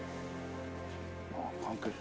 あっ関係者